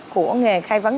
của nghề khai vấn